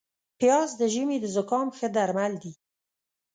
پیاز د ژمي د زکام ښه درمل دي